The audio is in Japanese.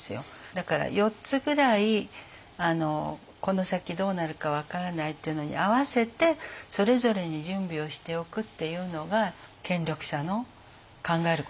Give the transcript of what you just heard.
だから４つぐらいこの先どうなるか分からないっていうのに合わせてそれぞれに準備をしておくっていうのが権力者の考えることだと思うので。